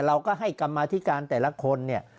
เราก็ให้กรรมาธิการแต่ละคนเนี่ย